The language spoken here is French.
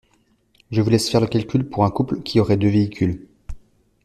Je vous laisse faire le calcul pour un couple qui aurait deux véhicules.